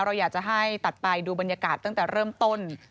เราอยากจะให้ตัดไปดูบรรยากาศตั้งแต่เริ่มต้น